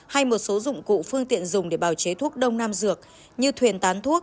hay một số dụng cụ phương tiện dùng để bào chế thuốc đông nam dược như thuyền tán thuốc